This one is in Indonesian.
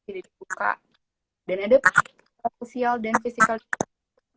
jadi dibuka dan ada social dan physical juga